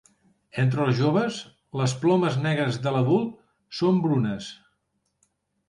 Entre els joves, les plomes negres de l'adult són brunes.